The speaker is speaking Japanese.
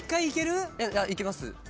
いけます。